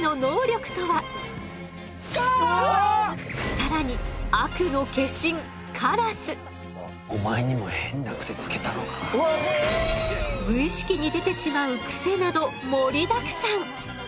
更に悪の化身無意識に出てしまうクセなど盛りだくさん。